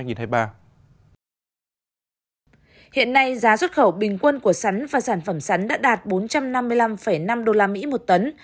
hiện nay giá xuất khẩu bình quân của sắn và sản phẩm sắn đã đạt bốn trăm năm mươi năm năm usd một tấn